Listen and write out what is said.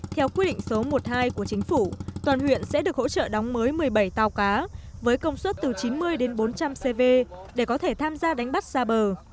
theo quy định số một mươi hai của chính phủ toàn huyện sẽ được hỗ trợ đóng mới một mươi bảy tàu cá với công suất từ chín mươi đến bốn trăm linh cv để có thể tham gia đánh bắt xa bờ